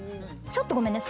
ちょっとごめんね。